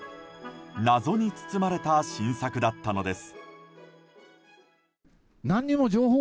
謎に包まれた新作だったのです。